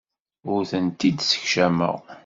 Ur tent-id-ssekcameɣ.